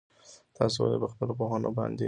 تاسو ولي په خپله پوهنه باندي فخر نه کوئ؟